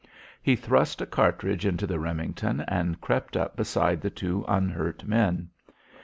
He thrust a cartridge into the Remington and crept up beside the two unhurt men.